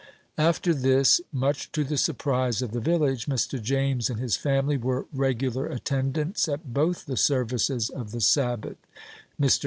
After this, much to the surprise of the village, Mr. James and his family were regular attendants at both the services of the Sabbath. Mr.